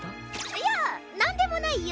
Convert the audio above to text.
いやなんでもないよ。